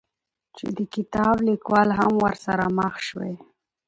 چې د کتاب ليکوال هم ورسره مخ شوى،